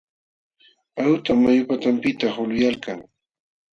Ayutam mayu patanpiqta hulquyalkan.